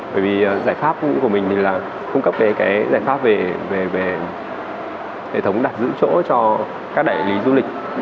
bởi vì giải pháp của mình thì là cung cấp về cái giải pháp về hệ thống đặt giữ chỗ cho các đại lý du lịch